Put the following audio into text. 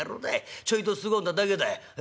ちょいとすごんだだけだ。え？